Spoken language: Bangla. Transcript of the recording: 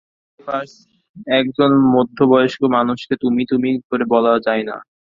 বি এ পাস একজন মধ্যবয়স্ক মানুষকে তুমি-তুমি করে বলা যায় না।